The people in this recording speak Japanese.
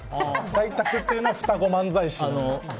ダイタクっていうのは双子漫才師。